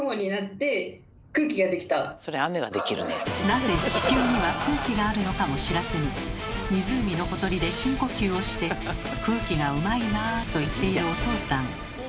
なぜ地球には空気があるのかも知らずに湖のほとりで深呼吸をして「空気がうまいな」と言っているおとうさん。